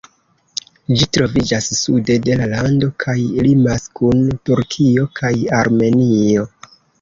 Ĝi troviĝas sude de la lando kaj limas kun Turkio kaj Armenio.